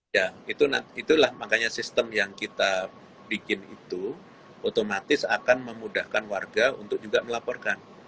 ya itulah makanya sistem yang kita bikin itu otomatis akan memudahkan warga untuk juga melaporkan